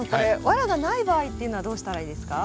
ワラがない場合っていうのはどうしたらいいですか？